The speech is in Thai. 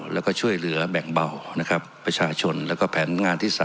และก็ช่วยเหลือแบ่งเบาประชาชนและก็แผนงานที่๓